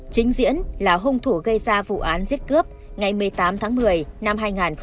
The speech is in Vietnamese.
chính diễn là hung thủ gây ra vụ án giết cướp ngày một mươi tám tháng một mươi năm hai nghìn một mươi bảy